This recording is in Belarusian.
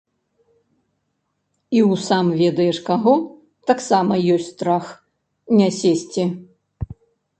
І ў сам ведаеш каго таксама ёсць страх не сесці!